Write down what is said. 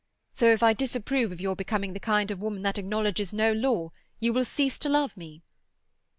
So, if I disapprove of your becoming the kind of woman that acknowledges no law, you will cease to love me?"